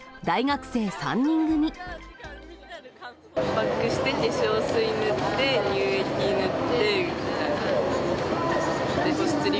パックして、化粧水塗って、乳液塗ってみたいな。